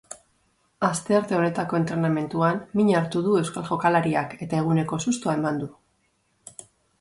Astearte honetako entrenamenduan min hartu du euskal jokalariak eta eguneko sustoa eman du.